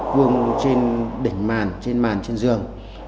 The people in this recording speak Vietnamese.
vương trên đỉnh màn trên màn trên giường